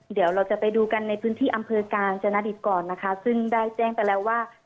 เดี๋ยวเราจะไปดูกันในพื้นที่อำเภอกาญจนดิตก่อนนะคะซึ่งได้แจ้งไปแล้วว่า